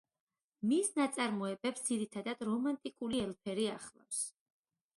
მის ნაწარმოებებს ძირითადად რომანტიკული ელფერი ახლავს.